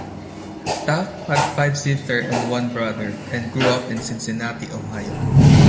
Taft had five sisters and one brother and grew up in Cincinnati, Ohio.